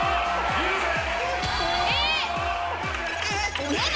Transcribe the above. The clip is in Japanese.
えっ！？